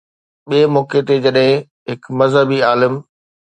ٻئي موقعي تي جڏهن هڪ مذهبي عالم